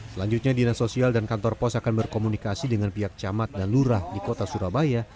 selanjutnya dinas sosial dan kantor pos akan berkomunikasi dengan pihak camat dan lurah di kota surabaya